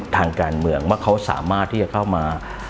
ทางการเมืองว่าเขาสามารถที่จะเข้ามา